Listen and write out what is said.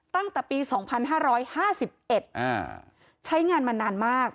ตั้งแต่ปี๒๕๕๑ใช้งานมานานมาก